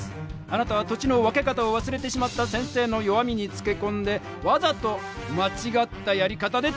あなたは土地の分け方をわすれてしまった先生の弱みにつけこんでわざとまちがったやり方で土地を分けた。